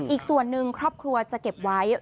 อีกส่วนหนึ่งครอบครัวจะเก็บไว้